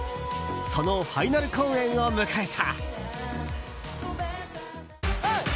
そのファイナル公演を迎えた。